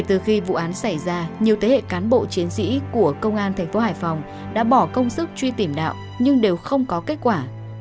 từ khi vụ án xảy ra nhiều thế hệ cán bộ chiến sĩ của công an thành phố hải phòng đã bỏ công sức truy tìm đạo nhưng đều không có kết quả